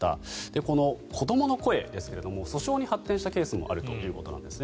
この子どもの声ですが訴訟に発展したケースもあるということですね。